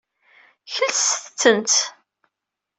Kelset-tent.